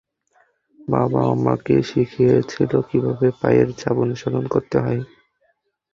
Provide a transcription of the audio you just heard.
বাবা আমাকে শিখিয়েছিল কীভাবে পায়ের ছাপ অনুসরণ করতে হয়।